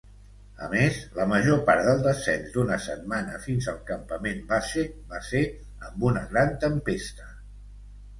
A més, la major part del descens d'una setmana fins al campament base va ser amb una gran tempesta.